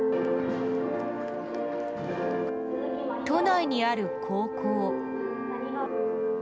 都内にある高校。